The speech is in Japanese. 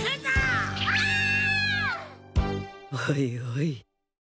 おいおい